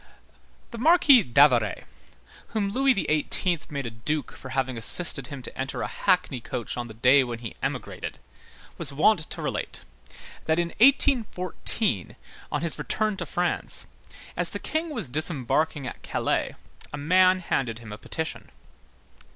The Marquis d'Avaray, whom Louis XVIII. made a duke for having assisted him to enter a hackney coach on the day when he emigrated, was wont to relate, that in 1814, on his return to France, as the King was disembarking at Calais, a man handed him a petition.